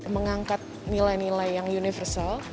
mengangkat nilai nilai yang universal